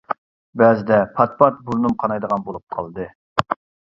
بەزىدە پات-پات بۇرنۇم قانايدىغان بولۇپ قالدى.